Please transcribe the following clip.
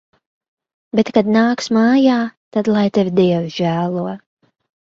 Bet kad nāks mājā, tad lai tevi Dievs žēlo.